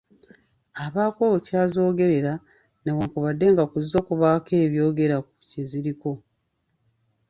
Abaako ky’azoogerera newankubadde nga ku zo kubaako ebyogera ku kyeziriko.